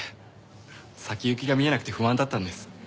先行きが見えなくて不安だったんです。